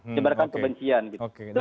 menyebarkan kebencian gitu